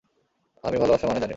আমি ভালবাসার মানে জানি না।